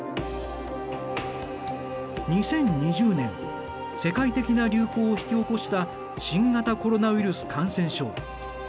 ２０２０年世界的な流行を引き起こした新型コロナウイルス感染症。